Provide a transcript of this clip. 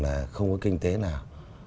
là không có kinh tế nào